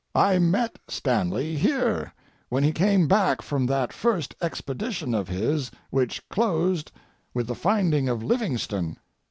I met Stanley here when he came back from that first expedition of his which closed with the finding of Livingstone.